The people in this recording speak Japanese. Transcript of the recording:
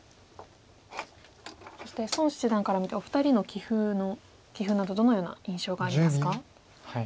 そして孫七段から見てお二人の棋風棋風などどのような印象がありますか？